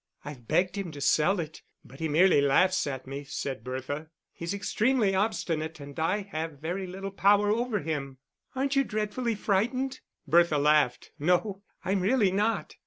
"I've begged him to sell it, but he merely laughs at me," said Bertha. "He's extremely obstinate and I have very little power over him." "Aren't you dreadfully frightened?" Bertha laughed. "No, I'm really not.